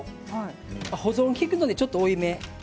保存が利くのでちょっと多め。